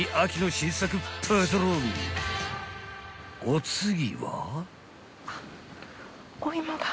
［お次は］